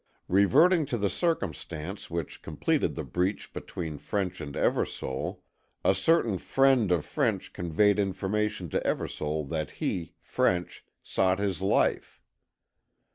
Reverting to the circumstance which completed the breach between French and Eversole: A certain friend (?) of French conveyed information to Eversole that he, French, sought his life.